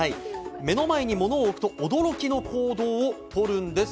目の前に物を置くと驚きの行動をとるんです。